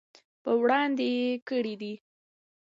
په وړاندې یې کړي دي.